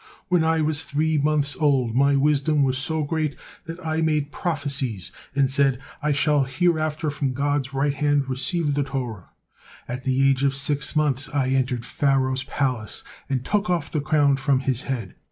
When I was three months old, my wisdom was so great that I made prophecies and said, 'I shall hereafter from God's right hand receive the Torah.' At the age of six months I entered Pharaoh's palace and took off the crown from his head.